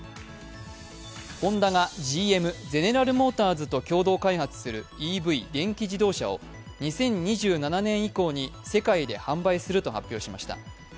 ホンダがＧＭ＝ゼネラル・モーターズと共同開発するＥＶ＝電気自動車を２０２７年以降に世界で販売すると発表しました。